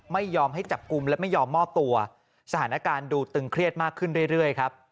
ไม่ยอมให้จับกลุ่มและไม่ยอมมอบตัวสถานการณ์ดูตึงเครียดมากขึ้นเรื่อยครับ